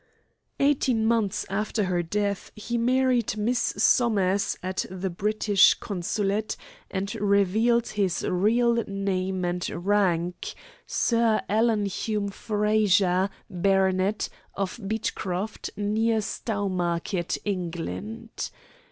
Eighteen months after her death he married Miss Somers at the British Consulate, and revealed his real name and rank Sir Alan Hume Frazer, baronet, of Beechcroft, near Stowmarket, England.